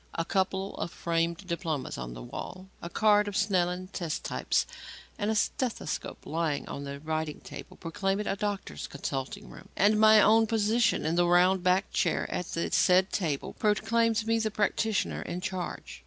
A couple of framed diplomas on the wall, a card of Snellen's test types and a stethoscope lying on the writing table, proclaim it a doctor's consulting room; and my own position in the round backed chair at the said table, proclaims me the practitioner in charge.